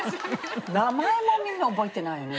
名前もみんな覚えてないよね。